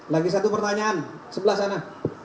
lagi satu pertanyaan sebelah sana